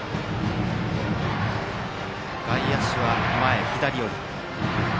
外野手は前、左寄り。